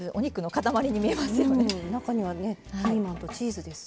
中にはねピーマンとチーズです。